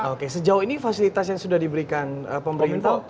oke sejauh ini fasilitas yang sudah diberikan kominfo untuk